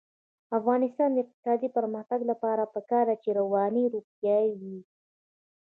د افغانستان د اقتصادي پرمختګ لپاره پکار ده چې رواني روغتیا وي.